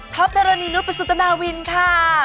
ทบรรณีรุปสุตนาวินค่ะ